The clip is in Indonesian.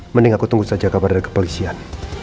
mending aku tunggu saja kabar dari kepolisian